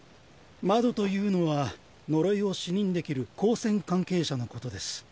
「窓」というのは呪いを視認できる高専関係者のことです。